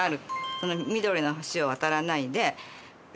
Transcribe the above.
その緑の橋を渡らないで右。